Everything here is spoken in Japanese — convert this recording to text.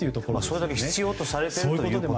それだけ必要とされていると。